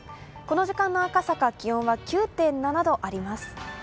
この時間の赤坂気温は９．７度あります。